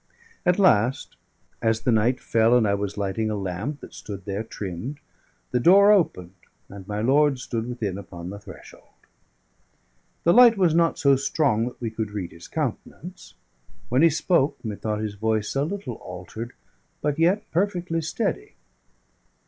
At last, as the night fell and I was lighting a lamp that stood there trimmed, the door opened and my lord stood within upon the threshold. The light was not so strong that we could read his countenance; when he spoke, methought his voice a little altered, but yet perfectly steady.